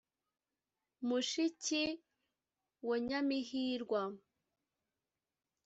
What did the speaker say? Mushiki wa Nyamihirwa.